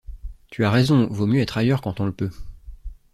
Tu as raison, vaut mieux être ailleurs, quand on le peut...